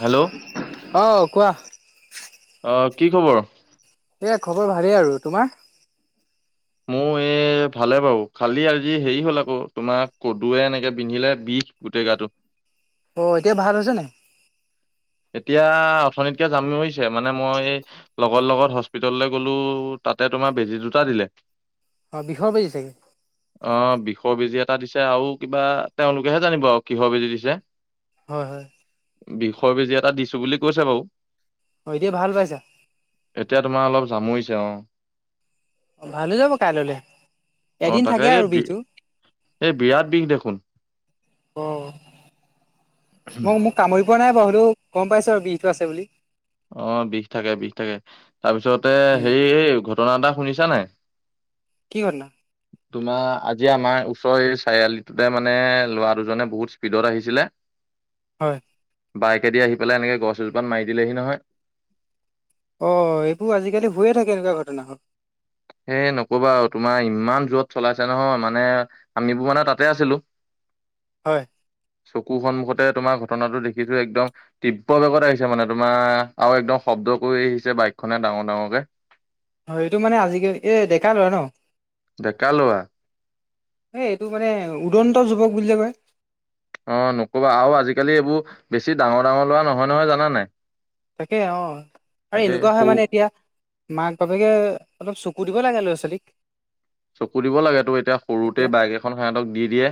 Hello অ', কোৱা অ', কি খবৰ? এই খবৰ ভালেই আৰু, তোমাৰ? মোৰ এই ভালে বাৰু খালি আজি হেৰি হ'ল আকৌ তোমাৰ কদুয়ে এনেকে পিন্ধিলে বিষ গোটেই গাটো। অ, এতিয়া ভাল হৈছে নাই? এতিয়া অথনীতকে জামিৰিছে মানে মই লগৰ লগত হস্পিতললৈ গলো তাতে তোমাৰ বেজী দুটা দিলে। অ বিষৰ বেজি চাগে। অ' বিষৰ বেজি এটা দিছে আৰু কিবা তেওঁলোকেহে জানিব আৰু কিহৰ বেজি দিছে। [inaudible] হয় হয়। বিষৰ বেজি এটা দিছো বুলি কৈছে বাৰু। অ'এতিয়া ভাল পাইছা? এতিয়া তোমাৰ অলপ জামুৰিছে অ'। অ ভালে হৈ যাব কাইলৈলে অ এদিন তাকে থাকে এই আৰু বি বিহটো। এই বিৰাট বিষ দেখোন। অ মই কামুৰি পোৱা নাই বাৰু হয়টো গম পাইছো আৰু বিহটো আছে বুলি। অ' বিষ থাকে বিষ থাকে তাৰপিছতে উম, হেৰি ঘটনা এটা শুনিছা নাই? কি ঘটনা? [inaudible] তোমাৰ আজি আমাৰ ওচৰ এই চাৰিআলিটোতে মানে ল'ৰা দুজনে বহুত স্পীডত আহিছিলে। [inaudible] হয়। বাইকেদি আহি পেলাই এনেকে গছ এজোপাত মাৰি দিলেহি নহয়। অ' এইবোৰ আজিকালি হৈয়ে থাকে এনেকুৱা ঘটনাখন হেই নকবা আৰু তোমাৰ ইমান জোৰত চলাইছে নহয় মানে আমিবোৰ মানে তাতে আছিলোঁ। [inaudible] হয়। চকু সন্মুখতে তোমাৰ ঘটনাটো দেখিছো একদম। তিব্ৰ বেগত আহিছে মানে তোমাৰ আৰু একদম শব্দ কৰি আহিছে বাইকখনে ডাঙৰ ডাঙৰকে। হয় এইটো মানে আজিকালি এই ডেকা ল'ৰা ন। ডেকা ল'ৰা। সেই এইটো মানে উদন্ত যুৱক বুলি যে কয়। অ নকবা আৰু আজিকালি এইবোৰ বেছি ডাঙৰ ডাঙৰ লৰা নহয় নহয় জানা নাই। তাকে অ' আৰু এই এনেকুৱা হয় সৰু মানে এতিয়া মাক বাপেকে অলপ চকু দিব লাগে ল'ৰা ছোৱালীক। চকু দিব লাগে তো এতিয়া তাকে সৰুতে বাইক এখন সিহঁতক দি দিয়ে।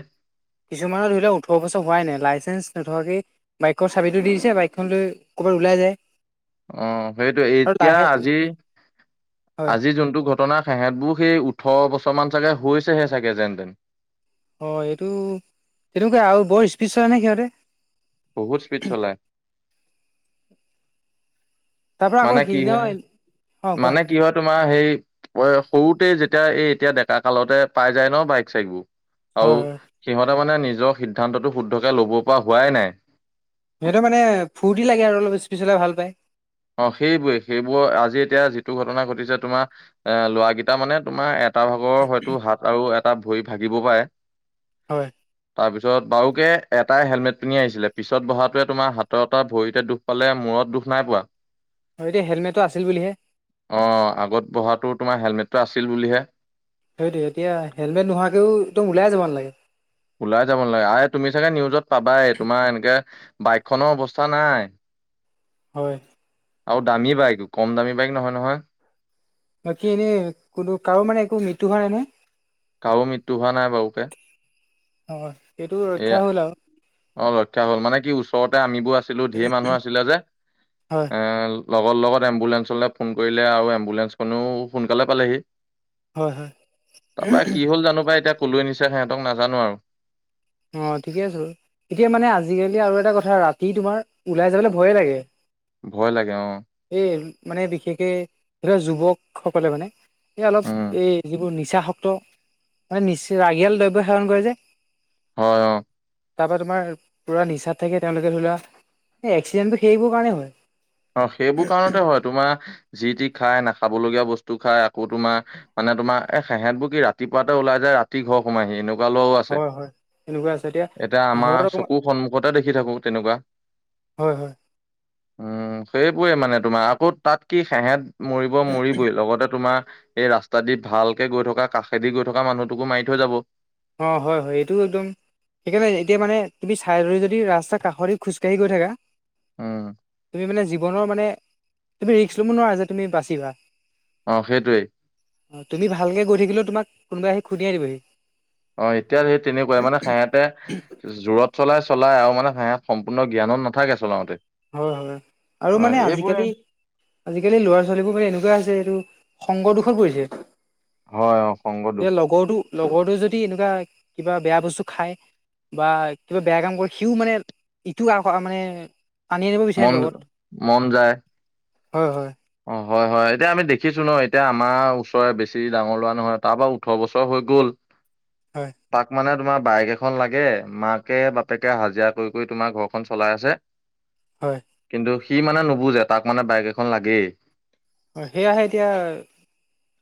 কিছুমানৰ ধৰি লও ওঠৰ বছৰ হোৱাই নাই লাইচেন্ঞ্চ নথকাকে বাইকৰ চাবিটো দি দিছে বাইকখন লৈ ক'ৰবাত ওলাই যায়। অ' সেইটোৱে আৰু এতিয়া লাহে আজি হয় আজি যোনটো ঘটনা সেহতবোৰ সেই ওঠৰ বছৰ মান চাগে হৈছেহে চাগে যেনতেন। হয় এইটো তেনেকুৱা আৰু বৰ স্পীড চলাই নহয় সিহঁতে। বহুত স্পীড চলায়। তাৰ পৰা আকৌ মানে কি সিদিনা হয় অ কোৱা মানে কি হয় তোমাৰ সেই সৰুতে যেতিয়া এই এতিয়া ডেকা কালতে পাই যায় ন বাইক চাইক বোৰ আৰু হয় হয় সিহঁতে মানে নিজৰ সিদ্ধান্তটো শুদ্ধকে ল'ব পৰা হোৱাই নাই। সিহঁতে মানে ফূৰ্তি লাগে আৰু অলপ স্পীড চলাই ভাল পায়। অ' সেইবোৰে সেইবোৰ আজি এতিয়া যিটো ঘটনা ঘটিছে তোমাৰ এ ল'ৰাকেইটা মানে তোমাৰ এটা ভাগৰ হয়তো হাত আৰু এটা ভৰি ভাগিব পাৰে। হয়। তাৰপিছত বাৰুকে এটাই হেলমেট পিন্ধি আহিছিলে পিছত বহাটোৱে তোমাৰ হাতৰ এটা ভৰিতে দুখ পালে মূৰত দুখ নাই পোৱা। অ' এতিয়া হেলমেটটো আছিল বুলিহে। অ' আগত বহাতো তোমাৰ হেলমেটটো আছিল বুলিহে। সেইটো এতিয়া হেলমেট নোহোৱাকেও একদম উলাই যাব নেলাগে। ওলাই যাব নালাগে আ তুমি চাগে নিউজত পাবাই তোমাৰ এনেকে বাইকখনৰ অৱস্থা নাই। [inaudible] হয়। আৰু দামী বাইক কম দামী বাইক নহয় নহয়। বাকী এনেই কোনো কাৰো মানে একো মৃত্যু হোৱা নাই নহয়। কাৰো মৃত্যু হোৱা নাই বাৰুকে, হয় সেইটো এয়া ৰক্ষা হ'ল আৰু অ ৰক্ষা হ'ল মানে কি ওচৰতে আমিবোৰ আছিলো ধেৰ মানুহ আছিলে যে হয় এ, লগৰ লগত এম্বুলেঞ্চলৈ ফোন কৰিলে আৰু এম্বুলেঞ্চখনো সোনকালে পালেহি। হয় হয় তাৰপৰা কি হল জানো বা এতিয়া কলৈ নিছো সিহঁতক নাজানো আৰু অ ঠিকে আছো বাৰু এতিয়া মানে আজিকালি আৰু এটা কথা ৰাতি তোমাৰ ওলাই যাবলৈ ভয়ে লাগে। ভয় লাগে অ, এই মানে বিশেষকে ধৰা যুৱক সকলে মানে, এই অলপ, উম এই যিবোৰ নিচা শক্ত মানে নিচ ৰাগিয়াল দ্ৰব্য সেৱন কৰে যে। হয় অ, তাৰ পৰা তোমাৰ পুৰা নিচাত থাকে তেওঁলোকে ধৰি লোৱা এক্সিডেণ্টটো সেইবোৰ কাৰণে হয়। অ সেইবোৰ কাৰণতে হয় তোমাৰ যি তি খাই নাখাবলগীয়া বস্তু খাই আকৌ তোমাৰ। মানে তোমাৰ সেহঁত বোৰ কি ৰাতিপুৱাতে ওলাই যায় ৰাতি ঘৰ সোমাই‌ এনেকুৱা। লৰাও আছে হয় হয় এনেকুৱা আছে এতিয়া ঘৰত আমাৰ অকমান চকু সন্মুখতে দেখি থাকো তেনেকুৱা। হয় হয়। উম সেইবোৰে মানে তোমাৰ আকৌ তাত কি সেহেত, মৰিব মৰিবই লগতে তোমাৰ এই ৰাস্ত দি ভালকে গৈ থকা কাষেদি গৈ থকা মানুহটোকো মাৰি থৈ যাব। অ হয় হয় এইটোও একদম, সেইকাৰণে, এতিয়া মানে তুমি চাইড হয় যদি ৰাস্তাৰ কাষেদি খোজকাঢ়ি গৈ থাকা। হুম, তুমি মানে জীৱনৰ মানে তুমি ৰিস্ক ল'ব নোৱাৰা যে তুমি বাচিবা। অ সেইটোৱেই। তুমি ভালে গৈ থাকিলেও তোমাক কোনোবাই আহি খুন্দিয়াই দিবহি। অ এতিয়া সেই তেনেকুৱাই মানে সেহেত, প্ৰায় জোৰত চলাই চলাই আৰু মানে সেয়া সম্পূৰ্ণ জ্ঞানত নাথাকে চলাওঁতে। হয় হয় আৰু অ মানে এইবোৰে আজিকালি। আজিকালি ল'ৰা ছোৱালীবোৰ মানে এনেকুৱা হৈছে এইটো সংগৰ দোষত পৰিছে। হয় অ সংগ দোষ এতিয়া লগৰটো লগৰটো যদি এনেকুৱা কিবা বেয়া বস্তু খায়। বা কিবা বেয়া কাম কৰে সিও মানে ইটো আ মানে। টানি আনিব বিচাৰিম মন লগত মন যায় হয় হয়। অ হয় হয় এতিয়া আমি দেখিছোঁ ন এতিয়া আমাৰ ওচৰে বেছি ডাঙৰ ল'ৰা নহয় তাৰবাও ওঁঠৰ বছৰ হৈ গ'ল। [inaudible] হয়। তাক মানে তোমাৰ বাইক এখন লাগে মাকে বাপেকে হাজিৰা কৰি কৰি তোমাৰ ঘৰখন চলাই আছে। হয়। কিন্তু সি মানে নুবুজে তাক মানে বাইক এখন লাগেই। অ সেয়াহে এতিয়া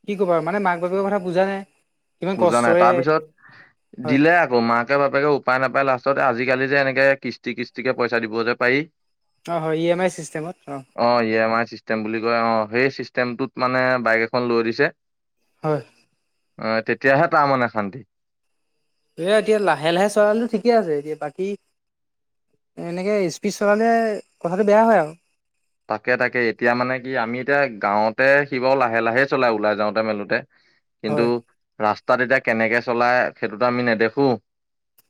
কি ক'বা আৰু মানে মাক বাপেকৰ কথা বুজা নাই। কিমান বুজা নাই কষ্টৰে তাৰপিছত হয়। দিলে, ত মাকে বাপেকে উপায় নাপায় লাষ্টতে আজিকালি যে এনেকে কিস্তি কিস্তিকে পইচা দিব যে পাৰি। অ হয় ই এম আই চিষ্টেমত অ। অ ই এম আই চিষ্টেম বুলি কয় অ সেই চিষ্টেমটোত মানে বাইক এখন লৈ দিছে। হয়। অ তেতিয়াহে তাৰমানে শান্তি। এ এতিয়া লাহে লাহে চলালেটো ঠিকে আছে এতিয়া বাকী। এনেকে স্পীড চলালে কথাটো বেয়া হয় আও। তাকে-তাকে এতিয়া মানে কি আমি এতিয়া গাঁওতে সিবাৰো লাহে -লাহে চলাই ওলাই যাওঁতে মেলোতে। কিন্তু হয় ৰাস্তাত এতিয়া কেনেকে চলাই সেইটোতো আমি নেদেখো।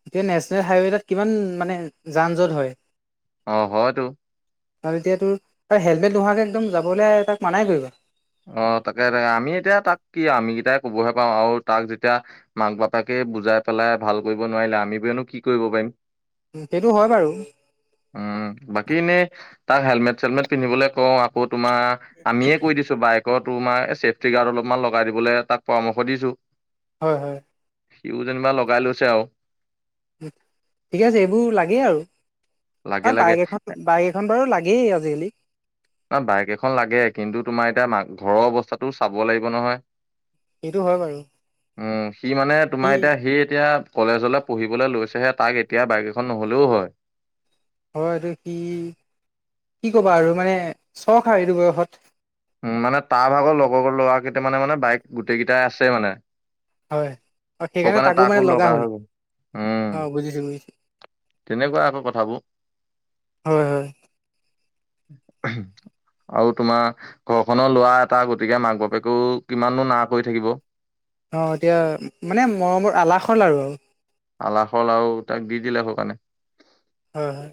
এতিয়া নেচনেল হাইৱেদত কিমান মানে যান জট হয় অ হয়তো আৰু এতিয়া তোৰ এ হেলমেট নোহোৱাকে একদম যাবলে তাক মানাই কৰিবা। অ, তাকে -তাকে আমি এতিয়া তাক কি আমি কেইটাই ক'বহে পাৰোঁ আৰু তাক যেতিয়া মাক, বাপাকে বুজাই পেলাই ভাল কৰিব নোৱাৰিলে আমিবোৰেনো কি কৰিব পাৰিম। উম, সেইটো হয় বাৰু। উম, বাকী এনেই তাক হেলমেট- চেলমেট পিন্ধিবলৈ কওঁ আকৌ তোমাৰ আমিয়ে কৈ দিছোঁ বাইকত তোমাৰ এই চেফটি গাৰ্ড অলপমান লগাই দিবলে তাক পৰামৰ্শ দিছোঁ। হয়-হয়। সিও যেনিবা লগাই লৈছে আওঁ হম, ঠিকে আছে এইবোৰ লাগেই আৰু লাগে [unintelligible] লাগে বাইক এখন বাইক এখন বাইক এখন বাৰু লাগেই আজিকালি। অ, বাইক এখন লাগে কিন্তু তোমাৰ এতিয়া মা ঘৰৰ অৱস্থাটো চাব লাগিব নহয়। এইটো হয় বাৰু। উম, সি মানে তোমাৰ এতিয়া সি এতিয়া কলেজলে পঢ়িবলৈ লৈছে হে তাক এতিয়া বাইক এখন নহ'লেও হয়। হয় এইটো কি-কি ক'বা আৰু মানে চখ আৰু এইটো বয়সত। উম, মানে তাৰ ভাগৰ লগৰ ল'ৰা কেইটামানে মানে বাইক গোটেই কেইটাই আছে মানে। হয় অ, সেইটো সেইকাৰণে কাৰণে তাকো মানে লগা হৈ হ'ল গ'ল। অ, বুজিছোঁ -বুজিছোঁ। তেনেকুৱাই আকৌ কথাবোৰ [inaudible] হয় হয় [unintelligible] আৰু তোমাৰ ঘৰখনৰ লৰা এটা গতিকে মাক- বাপেকেও কিমানো না কৰি থাকিব। অ, এতিয়া মানে মৰমৰ আলাসৰ লাৰু আৰু। আলাসৰ লাৰু আৰু তাক দি দিলে সৌ কাৰণে। হয়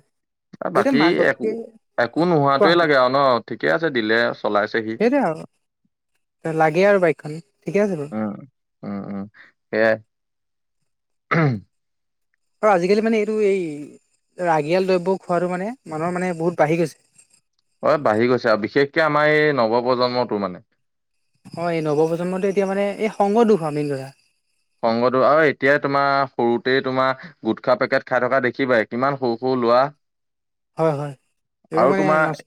এ সেইটো বাকী মাক একো বাপেকে -একো কোৱা নোহোৱাটোৱে লাগে আৰু ন'। ঠিকে আছে দিলে চলাইছে। সি। সেইটোৱে আৰু লাগে আৰু বাইকখন ঠিকে আছে বাৰু। উম, উম -উম সেয়াই। [unintelligible] আৰু আজিকালি মানে এইটো এই ৰাগিয়াল দ্ৰব্য খোৱাটো মানে মানুহৰ মানে বহুত বাঢ়ি গৈছে। অহ, এ বাঢ়ি গৈছে আৰু বিশেষকে আমাৰ এই নৱপ্ৰজন্মটো মানে। হয় এই নৱপ্ৰজন্মটো এতিয়া মানে এই সংগ দুখ আৰু মেইন কথা। সংগটো আৰু এতিয়া তোমাৰ সৰুতেই তোমাৰ গুটখা পেকেট খাই থকা দেখিবাই কিমান সৌ - সৌ লোৱা হয় -হয় এইবোৰ মানে নচ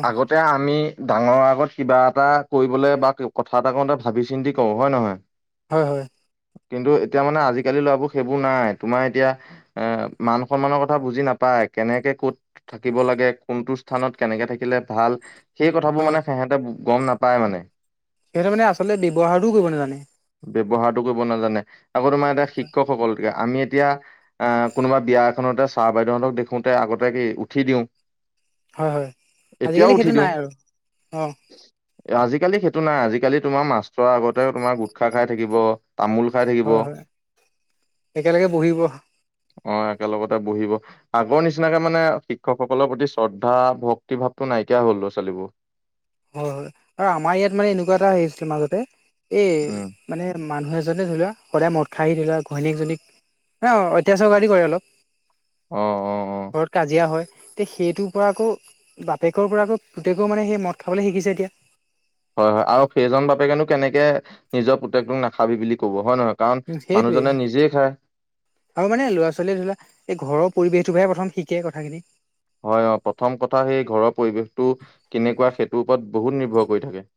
অহ। এতিয়া আমি ডাঙৰৰ আগত কিবা এটা কৰিবলৈ বা কথা এটা কওঁতে ভাবি চিন্তি কওঁ হয় নহয়? হয়-হয়। কিন্তু এতিয়া মানে আজিকালি ল'ৰাবোৰ সেইবোৰ নাই তোমাৰ এতিয়া এ মান সন্মানৰ কথা বুজি নাপায় কেনেকে ক'ত থাকিব লাগে কোনটো স্থানত কেনেকে থাকিলে ভাল সেই কথাবোৰ হয় মানে সেহেঁতে গম নাপায় মানে। সিহঁতে মানে আচলতে ব্যৱহাৰো কৰিব নাজানে। ব্যৱহাৰটো কৰিব নাজানে আকৌ তোমাৰ এটা শিক্ষকসকল আমি এতিয়া আহ কোনোবা বিয়া এখনতে ছাৰ -বাইদেউহতক দেখোতে আগতে কি উঠি দিওঁ হয়- হয় এতিয়াও আজিকালি সেইটো নাই আৰু অ, এ আজিকালি সেইটো নাই আজিকালি তোমাৰ মাষ্টৰৰ আগতে তোমাৰ গোট খা খাই থাকিব তামোল খাই থাকিব হয় হয় একেলগে বহিব অ, একেলগতে বহিব। আগৰ নিচিনাকে মানে শিক্ষকসকলৰ প্ৰতি শ্ৰদ্ধা ভক্তি ভাৱটো নাইকিয়া হ'ল ল'ৰা- ছোৱালীবোৰ। হয়-হয় আৰু আমাৰ ইয়াত মানে এনেকুৱা এটা হেৰি আছিলে মাজতে উম এই মানে মানুহ এজনে ধৰি লোৱা সদায় মদ খাইি ধৰি লোৱা ঘৈণীকজনীক। অ ' অত্যাচাৰ কৰাদি কৰে অলপ। অ' অ' অ ঘৰত কাজিয়া হয়, তেতিয়া সেইটোৰ পৰা আকৌ বাপেকৰ পৰা আকৌ পুতেকৰও মানে সেই মদ। খাবলৈ শিকিছে এতিয়া। হয় -হয় আৰু সেইজন বাপেকেনো কেনেকে নিজৰ পুতেকটোক নাখাবি বুলি ক'ব হয় নহয়। কাৰণ উম সেইটোৱে। মানুহজনে নিজেই খায় আৰু মানে ল'ৰা ছোৱালীয়ে ধৰি লোৱা এই ঘৰৰ পৰিৱেশটোো পৰাহে প্ৰথম শিকে কথাখিনি। হয় অ' প্ৰথম কথা সেই ঘৰৰ পৰিৱেশটো কেনেকুৱা সেইটোৰ ওপৰত বহুত নিৰ্ভৰ কৰি থাকে।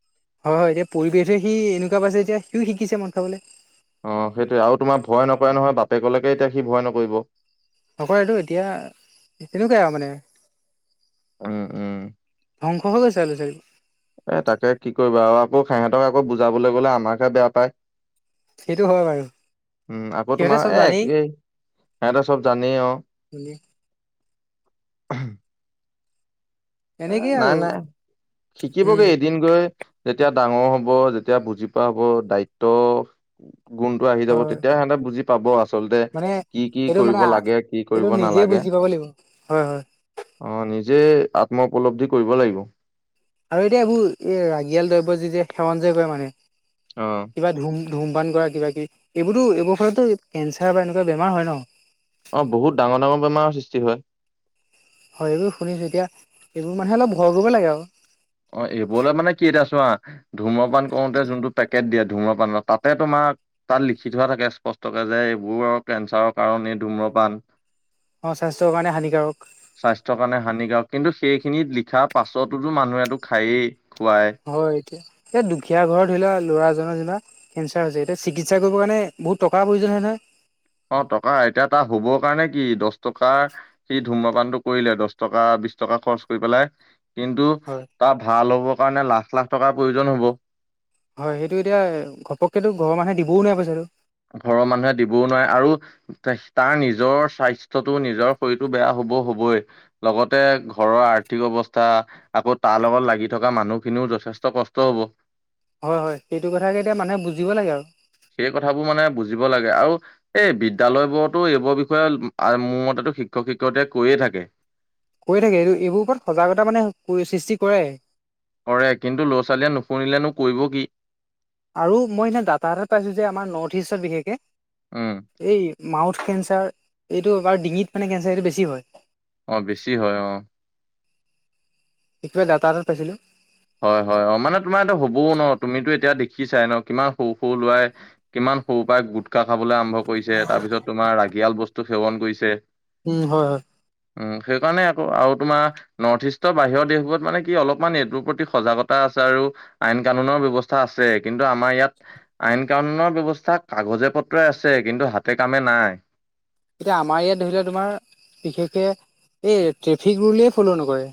হয়- হয় সেই পৰিৱেশে সি এনেকুৱা পাইছে এতিয়া সিও শিকিছে মদ খাবলৈ। অ' সেইটোৱে আৰু তোমাৰ ভয় নকৰে নহয় বাপেকলৈকে এতিয়া সি ভয় নকৰিব। নকৰে টো এতিয়া এতিয়া তেনেকুৱাই আৰু মানে। উম উম। ধংস হৈ গৈছে ল ছোৱালী। এ তাকে কি কৰিবা আৰু আকৌ সিহঁতক আকৌ বুজাবলৈ গ'লে আমাকহে বেয়া পায়। সেইটো হয় বাৰু উম আকৌ সিহঁতে তোমাৰ চব এই জানেই সিহঁতে চব জানেই অ' হি। এ, এনেকেই আৰু নাই -নাই উম শিকিবগে এদিন গৈ। তেতিয়া ডাঙৰ হব যেতিয়া বুজি পোৱা হব দায়িত্ব। গুণটো আহি যাব হয় তেতিয়া সিহঁতে বুজি। পাব আচলতে মানে কি কি এইটো কৰিব মানে লাগে, কি এইটো কৰিব নিজে নালাগে। বুজি পাব লাগিব হয় হয় অ' নিজে আত্ম উপলব্ধি কৰিব লাগিব। আৰু এতিয়া এইবোৰ এই ৰাগিয়াল দ্ৰব্য যেতিয়া সেৱন যে কৰে মানে। অ' কিবা ধুম ধূমপান কৰা কিবা কি এইবোৰতো এইবোৰ ফলতো কেঞ্চাৰ বা এনেকুৱা বেমাৰ হয় ন' অ' বহুত ডাঙৰ ডাঙৰ বেমাৰৰ সৃষ্টি হয় হয় এইবোৰ শুনিছোঁ এতিয়া এইবোৰ মানুহে অলপ ভয় কৰিব লাগে আৰু। অ' এইবোৰলে মানে কিটা আছো অ' ধুম্ৰপান কৰোতে যোনটো পেকেট দিয়ে ধুম্ৰপানত তাতে তোমাক তাত লিখি থোৱা থাকে স্পষ্টকে যে এইবোৰ আৰু কেঞ্চাৰৰ কাৰণ এই ধুম্ৰপান। অ' স্বাস্থ্যৰ কাৰে হানিকাৰক স্বাস্থ্যৰ কাৰণে হানিকাৰক কিন্তু সেইখিনিত লিখা পাছতোতো মানুহেটো খায়েই খুৱাই। হয় এতিয়া এয়া দুখীয়া ঘৰত ধৰি লোৱা ল'ৰাজনৰ যেনিবা। কেঞ্চাৰ হৈছে এতিয়া চিকিৎসা কৰিব কাৰণে বহুত টকাৰ প্ৰয়োজন হয় নহয়। অ' টকা এতিয়া তাৰ শুব কাৰণে কি দশ টকাৰ সি ধূম্ৰপানটো কৰিলে দশ টকা বিশ টকা খৰচ কৰি পেলাই কিন্তু হয় তাৰ ভাল হ'ব কাৰণে লাখ লাখ টকাৰ প্ৰয়োজন হ'ব। হয় সেইটো এতিয়া ঘপককেতো ঘৰৰ মানুহে দিবও নাই পইচাটো। ঘৰৰ মানুহে দিবও নোৱাৰে আৰু। তাৰ নিজৰ স্বাস্থ্যটো নিজৰ শৰীৰটো বেয়া হব হবই। লগতে ঘৰৰ আৰ্থিক অৱস্থা। আকৌ তাৰ লগত লাগি থকা মানুহখিনিও যথেষ্ট কষ্ট হব। হয়- হয় সেইটো কথাকে এতিয়া মানুহে বুজিব লাগে আৰু। সেই কথাবোৰ মানে বুজিব লাগে আৰু এই বিদ্যয়ালয় বোৰতো এইবোৰ বিষয়ে মোৰ মতেটো শিক্ষক শিক্ষয়িতীয়ে কৈয়ে থাকে। কৈয়ে থাকে এইটো এইবোৰ ওপৰত সজাগতা মানে সৃষ্টি কৰে। কৰে কিন্তু ল'ৰা ছোৱালীয়ে নুশুনিলেনো কৰিব কি? আৰু মই এনে ডাটা এটাত পাইছো যে আমাৰ নৰ্থ ইষ্টত বিশেষকে। উম এই মাউথ কেঞ্চাৰ এইটো বাৰ ডিঙিত মানে কেঞ্চাৰ এইটো বেছি হয়। অ' বেছি হয় অ' শিকোৱা ডাটা এটাত পাইছিলোঁ। হয় হয় অ, মানে তোমাৰ এ হবও ন তুমিতো এতিয়া দেখিছাই ন কিমান সৰু সৰু লোৱাই কিমান সৰু পাই গুটখা খাবলৈ আৰম্ভ কৰিছে তাৰ পিছত তোমাৰ ৰাগিয়াল বস্তু সেৱন কৰিছে। উম হয় হয়। উম সেইকাৰণে আকৌ আৰু তোমাৰ নৰ্থ ইষ্টৰ বাহিৰৰ দেশবোৰত মানে কি অলপমান এইটোৰ প্ৰতি সজাগতা আছে আৰু আইন কানুনৰ ব্যৱস্থা আছে কিন্তু আমাৰ ইয়াত আইন কানুনৰ ব্যৱস্থা কাগজে পত্ৰই আছে কিন্তু হাতে কামে নাই। এতিয়া আমাৰ ইয়াত ধৰিলোৱা তোমাৰ বিশেষকে এই ট্ৰেফিক ৰুলেই ফ'ল' নকৰে।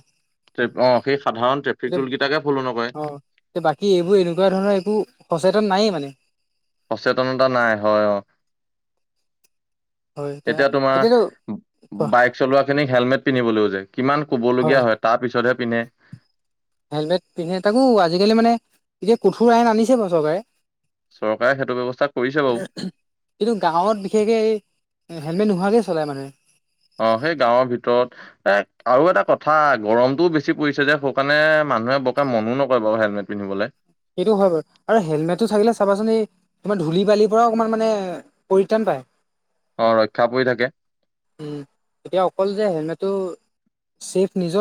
অ', সেই সাধাৰণ ট্ৰেফিক ৰুল কেইটাকে ফল' নকৰে। এ বাকী এইবোৰ এনেকুৱা ধৰণৰ একো সচেতন নায়েই মানে। সচেতনতা নাই হয় অ,। হয় এতিয়া এতিয়াতো তোমাৰ বাইক চলোৱা খিনিক হেলমেট পিন্ধিবলৈও যে কিমান ক'বলগীয়া হয় তাৰ পিছতহে পিন্ধে। হেলমেট পিন্ধে তাকো আজিকালি মানে এতিয়া কঠোৰ আইন আনিছে বাৰু চৰকাৰে। চৰকাৰে সেইটো ব্যৱস্থা কৰিছে বাৰু। কিন্তু গাঁৱত বিশেষকে এই হেণ্ডমেট নোহোৱাকে চলায় মানুহে। অ', সেই গাঁৱৰ ভিতৰত এ আৰু এটা কথা গৰমটোও বেছি পৰিছে যে। মানে মানুহে বৰকে মনো নকৰে বাউ হেলমেট পিন্ধিবলে। সেইটো হয় বাৰু আৰু হেলমেটটো থাকিলে চাবাচোন এই তোমাৰ ধূলি বালিৰ পৰাও অকণমান মানে পৰিত্ৰাণ পায়। অ, ৰক্ষা পৰি থাকে। উম এতিয়া অকল যে হেলমেটটো ছেফ নিজৰ